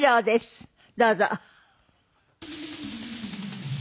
どうぞ。